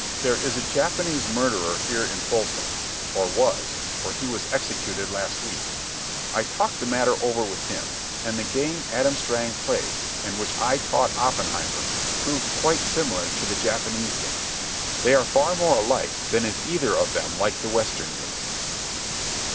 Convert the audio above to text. There is a Japanese murderer here in Folsom—or was, for he was executed last week. I talked the matter over with him; and the game Adam Strang played, and which I taught Oppenheimer, proved quite similar to the Japanese game. They are far more alike than is either of them like the Western game.